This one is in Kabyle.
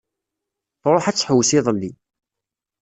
Tṛuḥ ad tḥewwes iḍelli.